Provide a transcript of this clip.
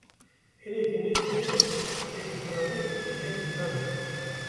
Hinekî nêzî hev in lê bi piranî ji hev cuda ne.